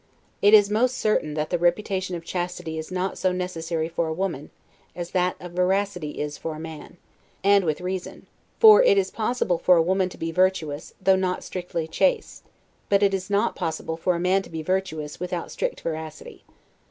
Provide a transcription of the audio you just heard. It is most certain, that the reputation of chastity is not so necessary for a women, as that of veracity is for a man; and with reason; for it is possible for a woman to be virtuous, though not strictly chaste, but it is not possible for a man to be virtuous without strict veracity.